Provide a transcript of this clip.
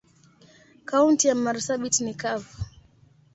Kaunti ya marsabit ni kavu.